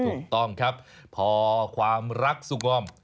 ถูกต้องครับพอความรักสุขงอม